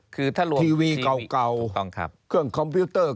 คือถ้ารวม